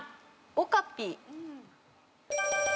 おかぴ。